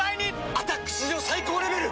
「アタック」史上最高レベル！